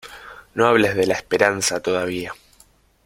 No hables de la esperanza, todavía.